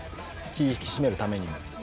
気を引き締めるためにも。